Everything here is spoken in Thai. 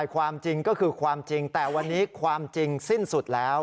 ความจริงก็คือความจริงแต่วันนี้ความจริงสิ้นสุดแล้ว